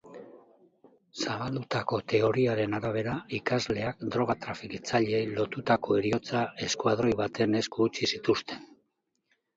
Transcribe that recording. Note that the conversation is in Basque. Zabaldutako teoriaren arabera, ikasleak droga-trafikatzaileei lotutako heriotza-eskuadroi baten esku utzi zituzten.